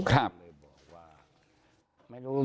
ครับ